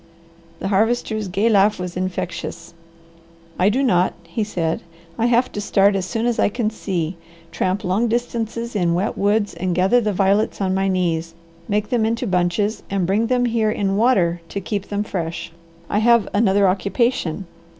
The Harvester's gay laugh was infectious. "I do not," he said. "I have to start as soon as I can see, tramp long distances in wet woods and gather the violets on my knees, make them into bunches, and bring them here in water to keep them fresh. I have another occupation.